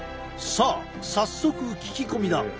さあ早速聞き込みだ。